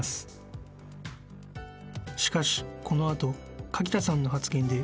［しかしこの後柿田さんの発言で］